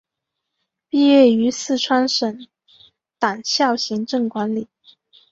毕业于四川省委党校行政管理。